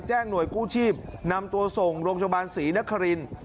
หน่วยกู้ชีพนำตัวส่งโรงพยาบาลศรีนคริน